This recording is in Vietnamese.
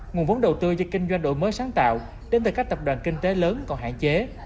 nguồn vốn đầu tư do kinh doanh đổi mới sáng tạo đến từ các tập đoàn kinh tế lớn còn hạn chế